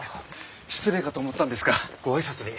失礼かと思ったんですがご挨拶に。